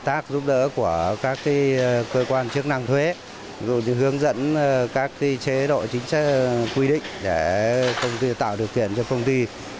tạc giúp đỡ của các cơ quan chức năng thuế hướng dẫn các chế độ chính quy định để tạo được kiện cho công ty